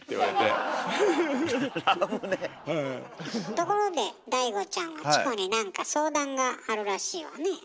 ところでチコに何か相談があるらしいわね。